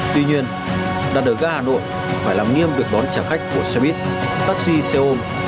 tuy nhiên đặt ở ga hà nội phải làm nghiêm việc đón trả khách của xe buýt taxi xe ôm